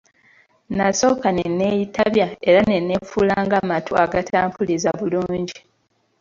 Nasooka ne neeyitabya era ne neefuula ng'amatu agatampulizza bulungi.